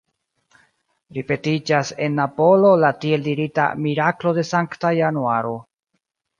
Ripetiĝas en Napolo la tiel dirita «miraklo de Sankta Januaro».